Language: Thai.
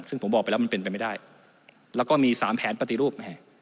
ซึ่งผมบอกไปแล้วมันเป็นไปไม่ได้แล้วก็มี๓แผนปฏิรูป